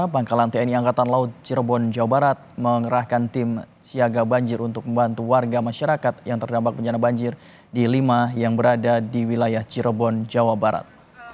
pangkalan tni angkatan laut cirebon jawa barat mengerahkan tim siaga banjir untuk membantu warga masyarakat yang terdampak bencana banjir di lima yang berada di wilayah cirebon jawa barat